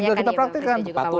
tinggal kita praktekkan